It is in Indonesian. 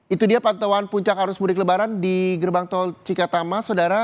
itu dia pantauan puncak arus mudik lebaran di gerbang tol cikatama saudara